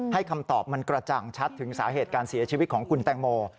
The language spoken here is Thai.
คำตอบมันกระจ่างชัดถึงสาเหตุการเสียชีวิตของคุณแตงโม